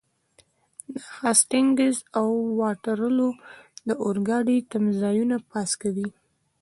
د هسټینګز او واټرلو د اورګاډي تمځایونه پاس کوئ.